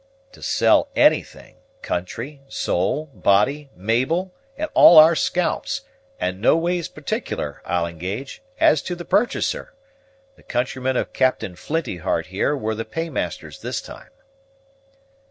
"To sell anything; country, soul, body, Mabel, and all our scalps; and no ways particular, I'll engage, as to the purchaser. The countrymen of Captain Flinty heart here were the paymasters this time."